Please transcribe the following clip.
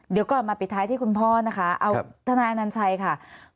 เดี๋ยวก่อนมาปิดท้ายที่คุณพ่อนะครับคุณฐานาอันชัยค่ะ